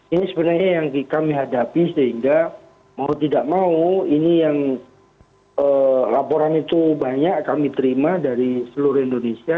ini sebenarnya yang kami hadapi sehingga mau tidak mau ini yang laporan itu banyak kami terima dari seluruh indonesia